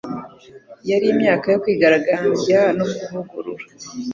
yari imyaka yo kwigaragambya no kuvugurura.